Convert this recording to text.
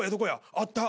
あった。